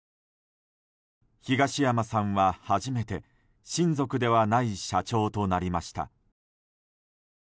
東山さんは初めて親族ではない社長となりました。